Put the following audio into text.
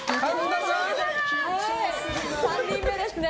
３人目ですね。